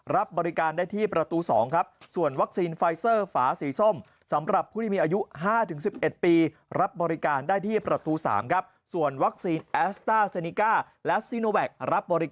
รับบริการได้ที่ประตู๒ครับ